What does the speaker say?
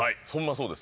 そうです。